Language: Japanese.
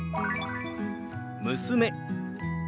「娘」。